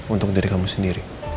untuk diri kamu sendiri